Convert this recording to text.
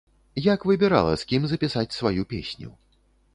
Як выбірала, з кім запісаць сваю песню?